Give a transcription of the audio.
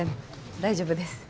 大丈夫です。